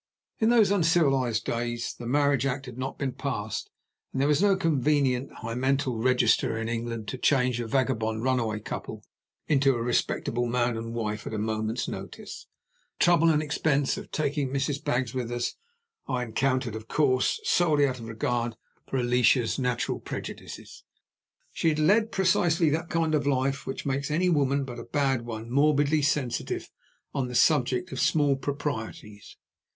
In those uncivilized days, the Marriage Act had not been passed, and there was no convenient hymeneal registrar in England to change a vagabond runaway couple into a respectable man and wife at a moment's notice. The trouble and expense of taking Mrs. Baggs with us, I encountered, of course, solely out of regard for Alicia's natural prejudices. She had led precisely that kind of life which makes any woman but a bad one morbidly sensitive on the subject of small proprieties.